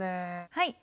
はい。